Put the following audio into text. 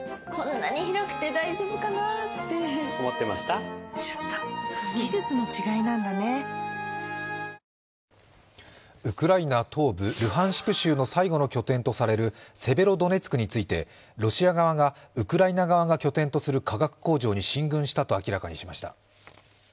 東芝の技術がセキュアな情報社会をつくるウクライナ東部ルハンシク州の最後の拠点とされるセベロドネツクについてロシア側がウクライナ側が拠点とする化学工場に進軍したと明らかにしました。